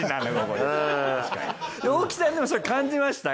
大木さんそれ感じました？